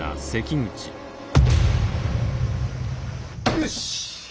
よし！